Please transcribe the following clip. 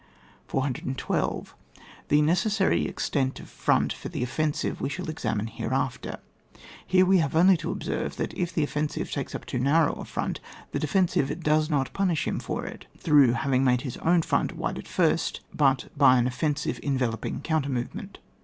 412. The necessary extent of front for the offensive we shall examine hereafter ; here we have only to observe, that if the offensive takes up too narrow a front, the defensive does not punish him for it, through having made his own front wide at first, but hy an offensive enveloping counter movement, 413.